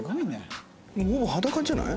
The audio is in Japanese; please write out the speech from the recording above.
もう裸じゃない？